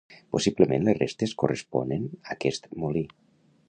Possiblement les restes corresponen aquest molí.